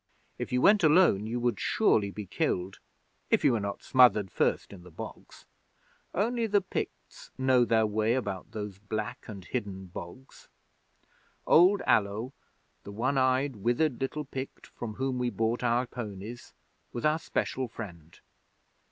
If you went alone you would surely be killed, if you were not smothered first in the bogs. Only the Picts know their way about those black and hidden bogs. Old Allo, the one eyed, withered little Pict from whom we bought our ponies, was our special friend.